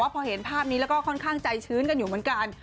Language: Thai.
พอเห็นภาพนี้แล้วก็ค่อนข้างใจชื้นกันอยู่เหมือนกัน